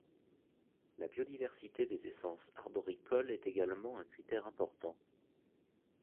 La biodiversité des essences arboricoles est également un critère important.